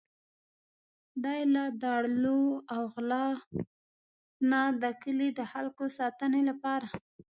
دی له داړلو او غلا نه د کلي د خلکو ساتنې لپاره.